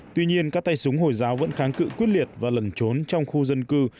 tuy nhiên các tay súng hồi giáo vẫn kháng cự quyết liệt và lẩn trốn trong khu dân cư